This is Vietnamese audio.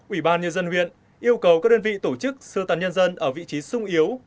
ủy ban nhân dân huyện yêu cầu các đơn vị tổ chức sưu tàn nhân dân ở vị trí sung yếu